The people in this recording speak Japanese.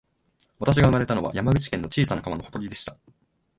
私が生まれたのは、山口県の小さな川のほとりでした